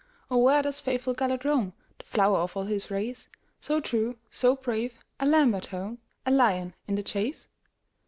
"O, where doth faithful Gêlert roam, The flower of all his race, So true, so brave,—a lamb at home,A lion in the chase?"